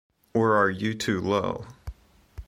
Or are you too low?